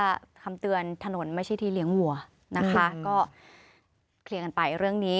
คำเตือนถนนไม่ใช่ที่เลี้ยงวัวนะคะก็เคลียร์กันไปเรื่องนี้